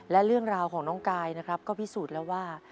และเรื่องราวของน้องกายนะครับก็พิสูจน์แล้วว่า